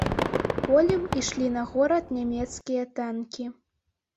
Полем ішлі на горад нямецкія танкі.